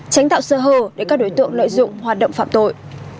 tránh tạo sơ hở để các đối tượng lợi dụng hoạt động phạm tội